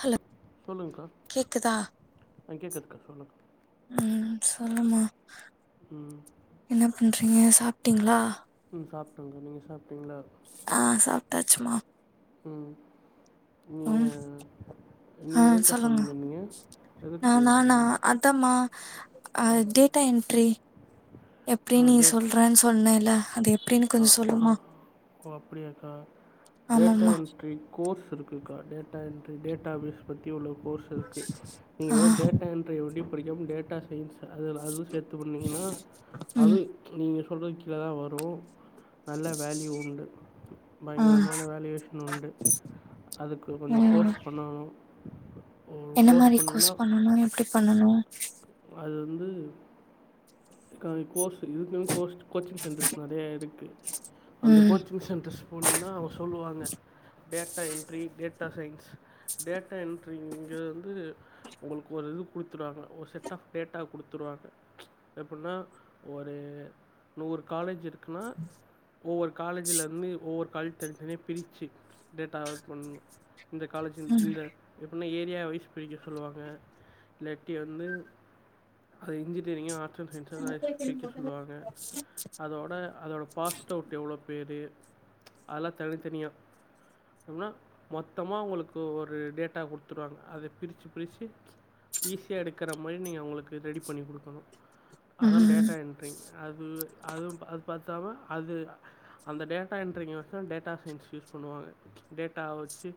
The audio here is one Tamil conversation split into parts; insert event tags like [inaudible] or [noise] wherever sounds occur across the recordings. ஹலோ சொல்லுங்கக்கா கேக்குதா ஆ கேட்குதுக்கா சொல்லுங்கள் உம் சொல்லுமா ம் என்ன பண்றீங்க சாப் அப்டிங்களா சாப்பட்டுங்க நீங்க சாப் அப்டிங்களா தாச்சமா ம் ம் நீங்கள் ஆ நீங்கள் எதுக்குக்கா ஃபோன் சொல்லுங்க பண்ணியிருந்தீங்க எதுக்கு நான் நானா அதம்மா டேட்டா என்ட்ரி எப்டி ஆ நீ டேட் சொல்றன்னு சொன்னேன் இல்ல அதுப் ஆ ஆ ஓ அப்படியாக்கா டேட்டா ஆமாம்மா என்ட்ரி கோர்ஸ் இருக்குக்கா டேட்டா என்ட்ரி டேட்டா பியூஸ் உள்ள கோர்ஸ் இருக்கு ஆ நீங்க டேட்டா என்ட்ரி ஒண்டி புடிக்கும் டேட்டா சயின்ஸ் அது அது சேர்த்து பண்ணீங்கன்னா அது ம் நீங்க சொ சொல் கிலே தான் வரும் நல்ல வேல்யூ உண்டு ஆ பயங்கரமான வேல்யுவேஷன் உண்டு அதுக்கு கொஞ்சம் ம் கோர்ஸ் பண்ணணும் ஒரு என்ன மாரி கோர்ஸ் பண்ணிங்கன்னா பண்ணணும் எப்டி பண்ணணும் அது வந்து எகா கோர்ஸ் இதுக்கு கோஸ்ட் கோச்சிங் சென்டர்ஸ் நெறைய இருக்கு அந்த ம் கோச்சிங் சென்டர்ஸ் போனீங்கன்னா வஸ் சொல்லுவாங்க டேட்டா என்ட்ரி டேட் டேட்டா சயின்ஸ் டேட்டா என்ட்ரிங்கிறது உங்களுக்கு ஒரு இது கொடுத்துவாங்க ஒரு செட் [unintelligible] குடுத்துடுவாங்க எப்டின்னா ஒரு நூறு காலேஜ் இருக் க்நா ஒவ்வொரு காலேஜிலயிருந்து ஒவ்வொரு காலேஜ தனி தனியே பிரிச்சி டேட்டாவ [inaudible] இந்த காலேஜின் ம் இந்த எப் இன்றும் ஏரியா வைஸ் பிடிக்க சொல்லுவாங்க இல்லாட்டி வந்து அது இன்ஜினியரிங் ஆர்ட் ஆர்ட் அண்ட் சயின்ஸ்னு பிரிக்க சொல்லுவாங்க அதோட அதோடய பாஸ்ட் அவுட் எவ்வளோ பேர் அல்ல தனித்தனியா இல்லனா மொத்தமா அவங்களுக்கு ஒரு டேட்டா கொடுத்துருவாங்க அத பிரிச்சு பிரிச்சு ஈஸியா எடுக்கற இது மாயி நீங்க அவங்களுக்கு ரெடி பண்ணி கொடுக்கணும் அதான் ம் டேட்டா என்ட்ரி அது அதுவும் அது பத் தவ அது அந்த டேட்டா என்ட்ரிங்கோசம் டேட்டா சயின்ஸ் யூஸ் பண்ணுவாங்க டேட்டா வச்சு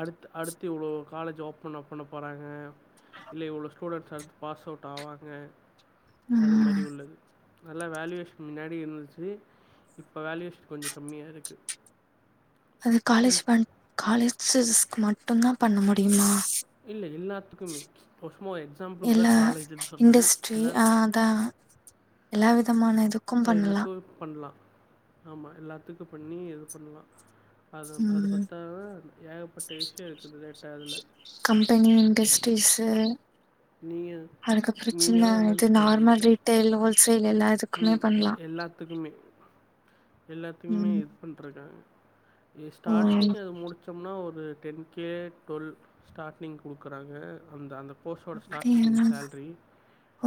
அடுத்து அடுத்து இவ்வளோ காலேஜ் ஒப்பானப் பண்ண போகிறாங்க இல்ல இவ்வளோ ஸ்டூடெண்ட்ஸ் எடுத்து பாஸ் அவுட் ஆவாங்க அது ம் மாரி உள்ளது நல்ல வேல்யுவேஷன் முன்னாடி இருந்துச்சு இப்ப வேல்யுவேஷன் கொஞ்சம் கம்மியா இருக்கு அது காலேஜ் பண் காலேஜ் ஸ்க்கு மட்டு தான் பண்ண முடியுமா இல்ல எல்லாத்துக்குமே ஒருசும்மா எக்ஸாம்பிளுக்கு இல்ல தான் காலேஜ்ன்னு சொன்னேன் இண்டஸ்ட்ரி ஆ எல்லாத் அதா எல்லா விதமான இதுக்கும் பண்ணலா துக்கும் பண்ணலாம் ஆமா எல்லாத்துக்கு பண்ணி இது பண்ணலாம் அது அது ம் பத்தாது ஏகப்பட்ட விஷயம் இருக்குது எட்டாதுல அதுக்கப்பறம் சின்ன இது நார்மல் ரீட்டைல் ஓல்ஸ் உம் எல்லாத்துக்குமே எல்லாத்துக்குமே ம் இது பண்ணிருக்காங்க ஓ ஸ்டார்ட்டிங் அது முடிச்சோம்னா ஒரு டென் கே டுவெல் ஸ்டார்ட்டிங் கொடுக்குறாங்க அந்த அந்த போஸ்டோட ஸ்டார்ட்டிங் அப்டியா சேல்ரி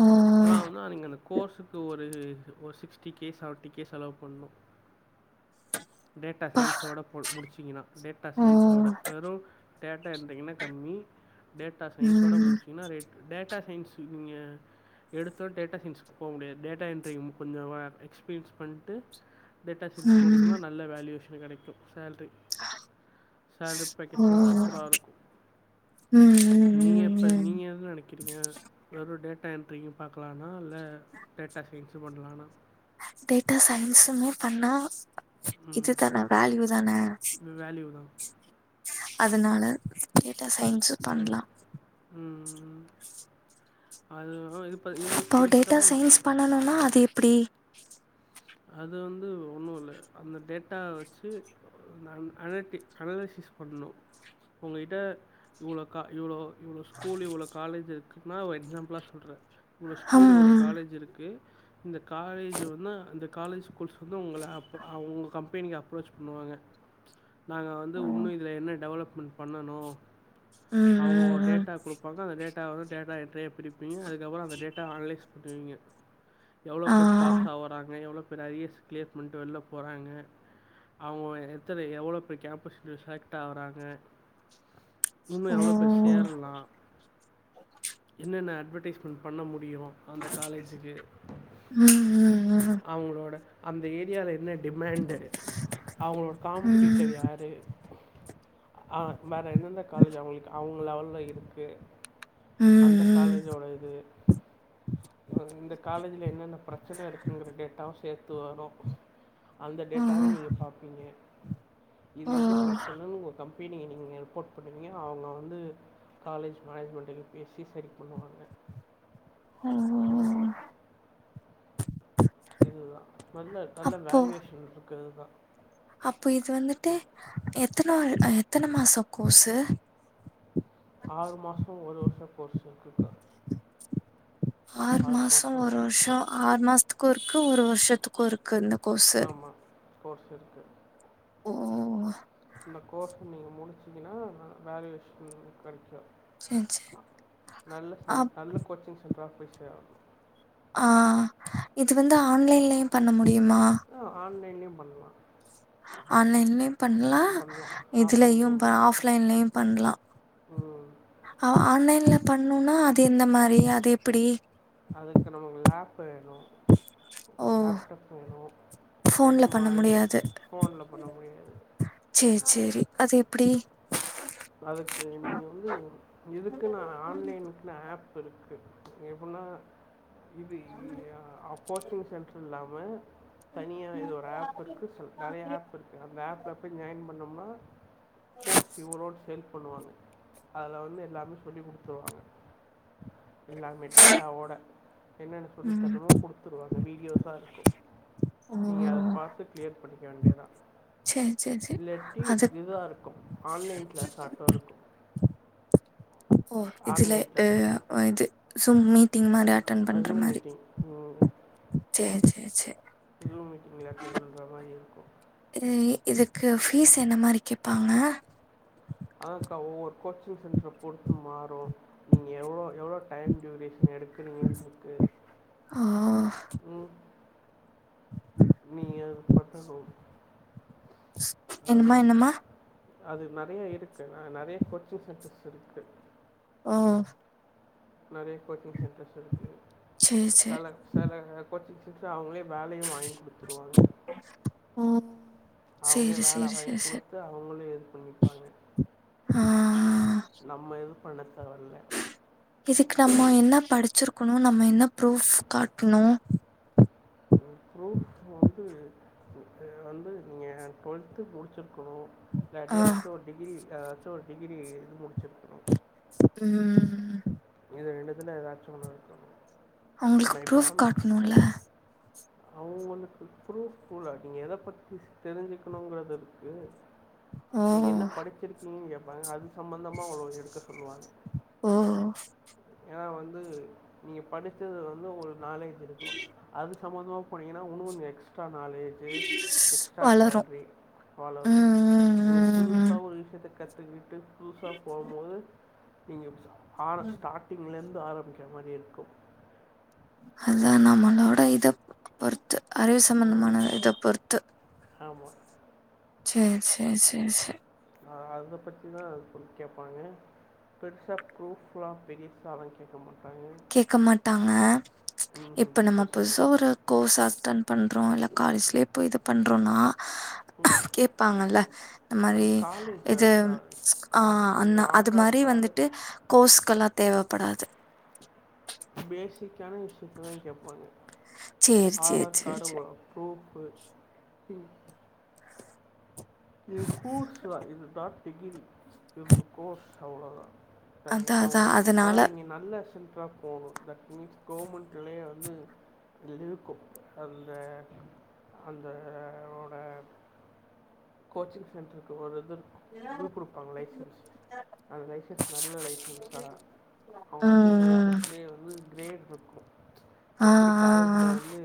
ஓ ஆனால் வந்து அன்னைக்கு கோர்ஸ் க்கு ஒரு சிக்ஸ்டி கே செவன்டி கே செலவு பண்ணும் டேட்டா அப்பா சயின்ஸோட போ முடிச்சீங்கன்னா டேட்டா ஓ சயின்ஸோட வெறும் டேட்டா இருந்தீங்கன்னா கம்மி டேட்டா சயின்ஸோட ம் முடிச்சிங்கன்னா ரேட் டேட்டா சயின்ஸ் நீங்க எடுத்தோனே டேட்டா சயின்ஸ்க்கு போக முடியாது டேட்டா என்ட்ரியும் கொஞ்சம் எக்ஸ்பீரியன்ஸ் பண்ணிட்டு டேட்டா சயின்ஸ் ம் போனீங்கன்னா நல்ல வேல்யூஷன் கிடைக்கும் சேல்ரி சேல்ரி ஓ பேக்கேஜலாம் சூப்பராக இருக்கும் ம் ம் நீங்க ம் எப்ப ம் நீங்க என்ன நினைக்கிறீங்க வெறும் டேட்டா என்ட்ரி பார்கக்கலாம்னா இல்ல டேட்டா சயின்ஸ் பண்ணலாம்னா டேட்டா சயின்ஸுமே பண்ணா ம். இதுதானே வேல்யூ தானே வேல்யூ தான். அதனால டேட் டா சயின்ஸ் ம். பண்ணலாம் ம். அது வந் அப்ப டேட்டா சயின்ஸ் பண்ணனும்னா அது எ ப்டி அது வந்து ஒன்னும் இல்ல அந்த டேட்டா வச்சு அனடிக் அனலைசிஸ் பண்ணணும் உங்ககிட்ட இவ்ளோ கா இவ்ளோ இவ்ளோ ஸ்கூல் இவ்ளோ காலேஜ் அது சும்மா ஒரு எக்ஸாம்பிளா சொல்றே இ்வ்ளோ ஸ்கூல் இவ்ளோ ஹம் காலேஜ் இருக்கு காலேஜ் அந்த காலேஜ் ஸ்கூல்ஸ் வந்து உங்கள அப் உங்க கம்பெனிக்கு அப்ரோச் பண்ணுவாங்க நாங்க வந்து ஓ உண்ம இதில என்ன டெவலப் பண்ணணு ம் அவங்க ம் ஒரு ம் டேட்டா கொடுப்பாங்க அந்த டேட்டா எவ்ளோ டேட்டா என்ற எப்டி அதுக்கப்றம் அந்த டேட்ட அனலைஸ் நீங்க எவ்ளோ பேர் ஆ பாஸ் ஆவுறாங்க எவ்வளோ பேர் அரியர்ஸ் கிளியர் பண்ட்டு வெள்ல போறாங்க அவங்க எத்தன எவ்ளோ பேர் கேம்பஸ் செலக்ட் ஆவறாங்க இன்னு ஓ எவ்ளோ பேர் ம் சேர்லாம் என்னன்ன அட்வெடைஸ்மெண்ட் பண்ண முடியு அந்த காலேஜுக்கு ம் அவங்களோட அந்த ஏரியால என்ன டிமண்டு அவங்களோட ம் காம்படிட்டர் யாரு ஆ வேற எந்தெந்த காலேஜ் அவங்களுக்கு அவங்க இன்னு அவ்ளோ தா இருக்கு அந்த ம் காலேஜோட இது இந்த காலேஜ்ல என்னென்ன பிரச்சன இருக்கு உங்களு எ டாஸ் தேத்து வரு அந்த ஓ டேட்டாவே நீங்க பாப்பீங்க இது ஓ இது பிரச்சன உங்க கம்ப் அப்பயே நீங்கள் நீங்கள் ரிப்போர்ட் பண்ணுவீங்க அவங்க வந்து காலேஜ் மேனேஜ்மெண்ட்டலயையும் பேசி சரி பண்ணுவாங்க ஆ ம் ஆ இதுதா நல்ல நல்ல வேல்யுவேஷன் அதுதா அப்போ இது வந்துட்டு எத் எத்தன எத்தன மாச கோர்சு ஆறு மாசம் ஒரு வருஷம் கோர்ஸ் ஆறு மாசம் ஒரு வருஷம் ஆறு மாசத்துக்கு ஒருக்க ந்து ஒரு வருஷத்துக்கு ஒருக் கண்ணக்கோசா ஆமாம் [unintelligible] ஓ இந்த கோர்ஸை நீங்கள் முடிச்சிங்கன்னா வேல்யுவேஷன் கெடைக்கும் செரி செரி சென் அம் நல்ல [unintelligible] ஆஹ் இத் இது வந்து ஆன்லைன்லயும் பண்ண முடியுமா நியும் பண்ணலாம் ஆன்லலைன்லையும் பண்லாம் பண்ணலாம் இதுலயும் ஆஃப்லைன்லேயும் ப பண்ணலாம் ஆஃப் லைன்லயும் பண்லாம் ம் ஆன்லைன் லா பண்ணுனா அது எந்த மாரி அது எப் இப்படி அதுக்கு நம்மகு லேப் வேணும் ஒரு ஓ லேப்டாப் வேணும் ஃபோன்ல இல்லாட்டி மா பண்ண இது முடியாது ஃபோன்ல பண்ண முடியாது சேரி சேரி அது எப்படி அதுக்கு நீங்கள் வந்து இருக்கு எப்படின்னா இது இ கோ [inaudible] ச்சிங் சென்டர் எல்ல வெல் தனியா இது ஒரு ஆப் இருக்கு நிறைய ஆப் இருக்கு அந்த ஆப்ல போய் ஜாயின் பண்ணோம்னா கோச் வ்லோ பண்ணுவாங்க அதுல வந்து எல்லாமே சொல்லி குடுத்துருவாங்க இல்லா அந்த டேட்டா ஓட என்னென்னு சொல்லி ம் தர்ரேம்மோ கொடுத்துருவாங் வீடியோஸ்ஸா இருக்கும் ஓ நீங்க அத பாத்துட் கிளியர் பண்ணிக்க வேண்டியதா ச்சா ச்சா ச்சா அது [unintelligible] இருக்கு ஓ இதுல அ கிளாஸ் ஆ இது [unintelligible] அ முன்னால்லா அட்டன் பண்ற ஜூம் மாரி மீட்டிங் சே சே சே ஜூம் மீட்டிங்கில் அட்டன் பண்ணுற மாதிரி இருக்கும் உம் இதுக் க்கு ஃபீஸ் என்ன மாரி கேப்பாங்க ஆ கா ஒவ்வொரு கோச்சிங் சென்டரை பொருத்து மாறு நீங்க எவ்ளோ-எவ்ளோ டைம் டியூரேஷன் எடுக்கிறீங்கன்ருக்கு ஓ ம் நீங்க [unintelligible] என்னமா என்னம்மா அது நறைய இருக்கு ந நறைய கோச்சிங் சென்டர்ஸ் இருக்கு ஆஹ் நெறைய கோச்சிங் சென்டர்ஸ் இருக்கு சேரி சேரி செல செல கோச்சிங் ட்ரு அவங்களே வேலையு வாங்கி் குடுத்துருவாங்க ஓ அவங்களே சேரி வேலை சேரி வாங்கி சேரி சேரி குடுத்து அவங்களே பண்ணிப்பாங்க ஆ நம்ம எது வணக் இதுக்கு நம் நா என்ன படிச்சிருக்கணு நம்ம என்ன ப்ரூஃப் காட்ணு ம் ப்ரூஃப் வந்து இத வந்து நீங்க டுவெல்த்து முடிச்சிருக் க்கனு ஆ இல்லாட்டி ஆச்சுவலா ஒரு டிகிரி எதாச்சும் ஒரு டிகிரி முடிச்சிருக்கறோம் உம் ரெண்டு த ஏதாச்சும் இருக்கணும் அவங்களுக்கு ப்ரூப் காட்டணும்ல அவங்கக்கு ப்ரூப்ல நீங்க எதை பத்தி தெரிஞ்சுக்கணுங்கிறது இருக்கு ஓ! நீங்க என்ன படிச்சிருக்கீங்க கேப் [unintelligible] சம்பந்தமா அவ்வளவு எடுக்க சொல்லுவாங்க ஓ! ஏன்னா வந்து நீங்கள் படிச்சது வந்து ஒரு நாலேஜ் இருக்கும் அதுக்கு சம்பந்தமா பண்ணங்கனா ஒணந்து எக் எக்ஸ்ட்ரா நாலேஜு எக்ஸ்ட்ரா வளரும். சேல்ரி ம், வளரும் நீங்கள் ம், ம், ம். புதுசாக ஒரு விஷயத்து கத்துட் ட்டு புதுசா போகும்போது நீங்க ஆ ஸ்டார்டிங்ல இப்ப ஆரம்பிக்கிற மாதிரி இருக்கும் அதான் நம்மளோட இத பொருத் இத் அறிவு சம்பந்தமான இதை பொறுத்து ஆமா ஷேரி ஷேரிஷேரிஷேரி அதை பற்றி தான் அது கொஞ அத பத்திதான் ப்ரூஃப் கேட்பாங்க பெருசாக ப்ரூஃப்லாம் பெருசாக அதான் கேட்க மாட்டேங்க கேட்க மாட்டாங்க ம் இப்ப நம்ம பெருசாக கேட்க புதுசா ஒரு கோர்ஸ் அன்ட் பண்றோம் இல்ல காலேஜ்லயே இப்போ இது பண்ணுறோன்னா ம் [unintelligible] கேட்பாங்கல்ல இந்த மாதிரி அது காலேஜ் இது வேறுக்கா கா ஆஹ் இது அ அது ஆதார் மாதிரி கார்டு வந்துட்டு கோர்ஸு்கல்லாம் தேவை ப்படாத [unintelligible] பேசக் கான விஷயத்த தான் கேட்பாங்க ஷேர் ஷேர் ஷேர் ஷேர் உப்பு உப்பும் இது கூர்சுுவா இதுதான் டிிகிர இருது கோோஸ் அவ்வுளதான் சரிங்க அதான், அவங்க அதான். அதனால அதான் நீங்க நல்ல செல் போும் தட் மீன்ஸ் கவர்மெண்ட்லயே வந்து இ இருக்கும் அந்த அந்தோயட கோச்சிங் சென்டர்க்கு ஒரு இது கொடுப்பாங்க லைசன்ஸ் அந்த லைசன்ஸ் நல்ல லைசன்ஸாக அவங்க ம், வச்சுிருக்க ம். லைசன்ஸ்லயே வந்து கிரேட இருக்கும் ஆ எப்படி ஆ காலேஜில் வந்து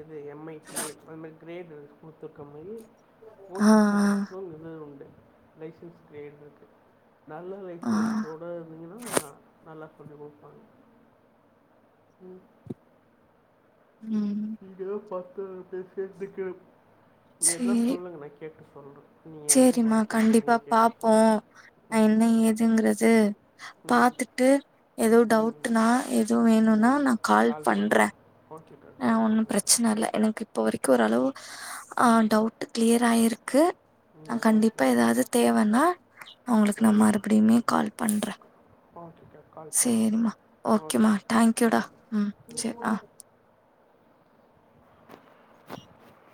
எது எம்ஐடி அதுமதிரி கிரேட் முூத்துக்கம் இ ஆ ஆ கோச்சிகங் சட்டஸோல் நந்தது இருந்து உண்டு லைசன்ஸ் கிரேடு இருக்கு நல்ல லைப்ஃசோட ஆ ஆ எக்ஸ்பீரியன்ஸ்ோட இருந்தீங்கன்னா நல்ல சொ உம் ம் இங்கு இருப பே பே பே சக்கு மேத்தியூ சொல்லுங்க நா கேட்டுக் சொல்லு சரிமா கண்டிப்பா பாப்போம் சொல்கிறேன் நா ம் என்ன ஏதுங்கிறது ம் பாத்துட்டு ஏதோ ம் டவுட்னா ஏதோ வேணும்னா ம் நான் கால் பண்ணுங்க பண்றன் ஓகேக்கா ஆஹ் கால் ஒன்னும் பண்ணுங்கக்கா பிரச்சனை இல்ல எனக்கு இப்ப வரையும் கொருளவு ஆஹ ம் டவுட் கிளியர் ஆயிருக்கு ம் நான் ஓகே கண்டிப்பா ஏதாவது தேவைன்னா உங்களுக்கு நான் ம் மறுபடியுமே கால் பண்றே ஓகேக்கா கால் பண்ணுங்க சேரிமா ஓகேமா தேங்க்யூடா ம் சரிதா [unintelligible]